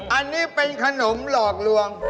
อันนี้เป็นขนมหลอกลวง